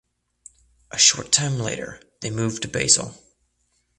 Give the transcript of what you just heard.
A short time later they moved to Basel.